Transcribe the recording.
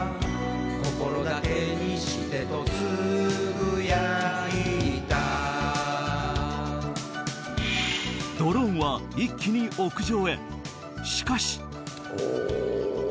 心だけにしてとつぶやいたドローンは一気にしかし！